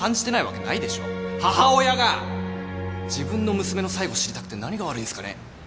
母親が自分の娘の最期知りたくて何が悪いんすかね。